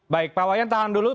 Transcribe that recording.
baik pak wayan tahan dulu